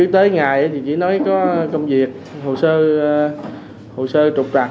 tới ngày thì chỉ nói có công việc hồ sơ trục trặc